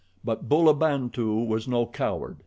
But Bulabantu was no coward.